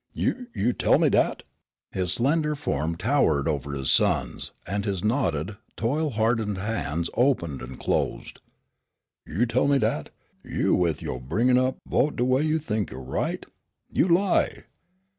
"You you tell me dat?" His slender form towered above his son's, and his knotted, toil hardened hands opened and closed. "You tell me dat? You with yo' bringin' up vote de way you think you're right? You lie!